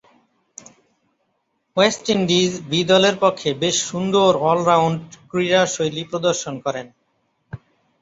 West Indies বি-দলের পক্ষে বেশ সুন্দর অল-রাউন্ড ক্রীড়াশৈলী প্রদর্শন করেন।